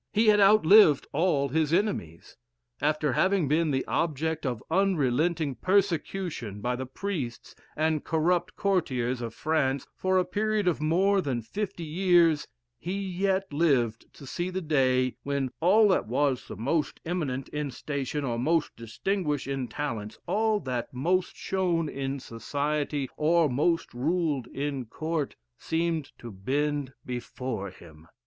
He had outlived all his enemies. After having been the object of unrelenting persecution by the priests and corrupt courtiers of France for a period of more than fifty years, he yet lived to see the day when "all that was most eminent in station or most distinguished in talents all that most shone in society, or most ruled in court, seemed to bend before him."